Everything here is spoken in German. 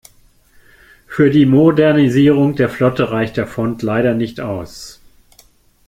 Für die Modernisierung der Flotte reicht der Fond leider nicht aus.